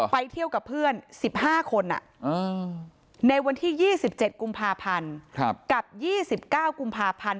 ไปเที่ยวกับเพื่อน๑๕คนในวันที่๒๗กุมภาพันธ์กับ๒๙กุมภาพันธ์